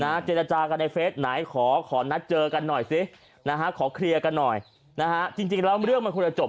น้าเจนจ้าระจากันในเฟสไหนขอนัดเจอกันหน่อยสินะฮะขอเคลียร์กันหน่อยนะฮะจริงเราเรื่องมันควรจะบก